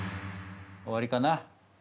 終わりかな？